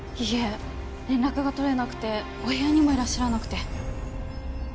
いえ連絡が取れなくてお部屋にもいらっしゃらなくて。